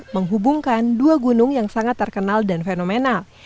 menghubungkan dua gunung yang sangat terkenal dan fenomenal